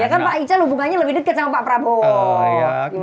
ya kan pak ical hubungannya lebih dekat sama pak prabowo